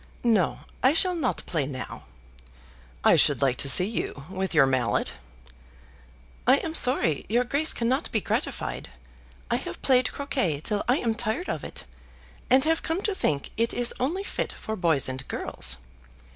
"No; I shall not play now." "I should like to see you with your mallet." "I am sorry your Grace cannot be gratified. I have played croquet till I am tired of it, and have come to think it is only fit for boys and girls.